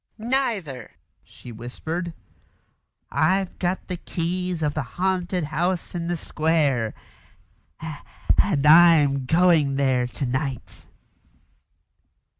"Neither," she whispered. "I've got the keys of the haunted house in the square and I'm going there to night."